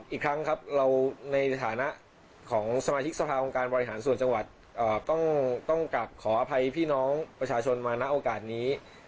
อีกครั้งครับเราในฐานะของสมาชิกสภาองค์การบริหารส่วนจังหวัดต้องกลับขออภัยพี่น้องประชาชนมาณโอกาสนี้